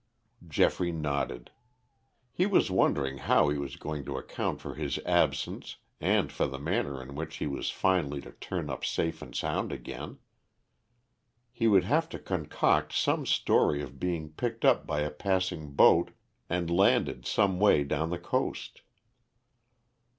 Geoffrey nodded. He was wondering how he was going to account for his absence and for the manner in which he was finally to turn up safe and sound again. He would have to concoct some story of being picked up by a passing boat and landed some way down the coast.